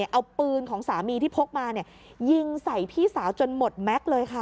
เอาปืนของสามีที่พกมายิงใส่พี่สาวจนหมดแม็กซ์เลยค่ะ